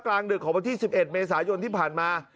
กลางดึกของวันที่๑๑เมษายนที่ผ่านมา